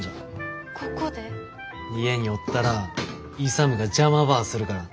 家におったら勇が邪魔ばあするから。